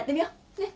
ねっ。